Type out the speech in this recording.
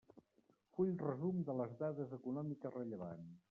Full resum de les dades econòmiques rellevants.